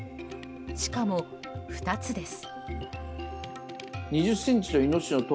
しかも、２つです。